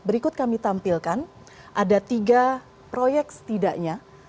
berikut kami tampilkan ada tiga proyek setidaknya